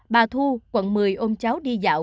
bà thu quận một mươi ôm cháu đi dạo